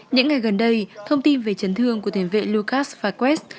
những ngày gần đây thông tin về chấn thương của tiền vệ lucas faquest